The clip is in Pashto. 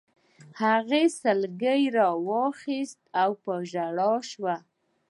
هغې سيکې را واخيستې او په ژړا شوه.